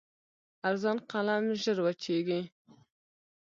ارزان قلم ژر وچېږي.